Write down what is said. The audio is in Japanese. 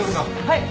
はい！